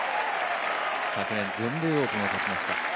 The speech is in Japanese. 昨年、全米オープンを勝ちました。